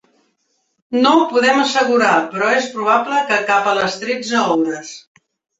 No ho podem assegurar, però és probable que cap a les tretze hores.